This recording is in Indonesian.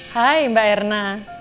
hai mbak erna